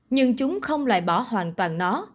nhưng chúng không loại bỏ hoàn toàn nó